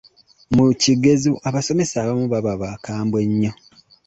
Mu kigezo abasomesa abamu baba bakambwe nnyo.